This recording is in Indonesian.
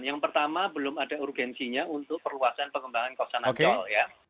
yang pertama belum ada urgensinya untuk perluasan pengembangan kawasan ancol ya